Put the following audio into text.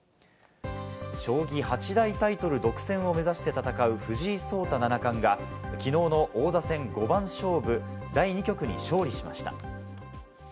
将棋八大タイトル独占を目指して戦う、藤井聡太七冠がきのうの王座戦五番勝負第２局に勝利しました。